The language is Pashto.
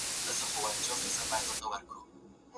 خپل کالي په پاکو اوبو ومینځئ.